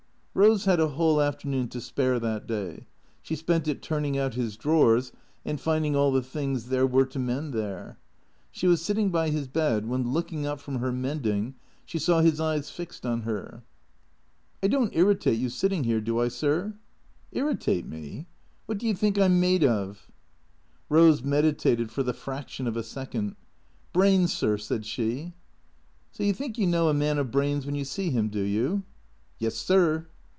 Eose had a whole afternoon to spare that day. She spent it turning out his drawers and finding all the things there were to mend there. She was sitting by his bed when, looking up from her mending, she saw his eyes fixed on her. " I don't irritate you, sittin' here, do I, sir ?"" Irritate me ? What do you think I 'm made of ?" Eose meditated for the fraction of a second. " Brains, sir," said she. " So you think you know a man of brains when you see him, do you ?"" Yes, sir."